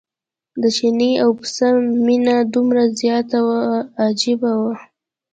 د چیني او پسه مینه دومره زیاته وه عجیبه وه.